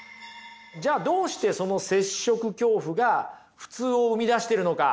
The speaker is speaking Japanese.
じゃあどうしてその接触恐怖が普通を生み出してるのか？